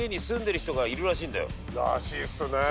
らしいっすね